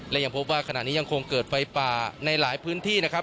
และยังพบว่าขณะนี้ยังคงเกิดไฟป่าในหลายพื้นที่นะครับ